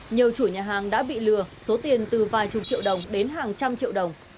nhiều chủ nhà hàng đã bị lừa số tiền từ vài chục triệu đồng đến hàng trăm triệu đồng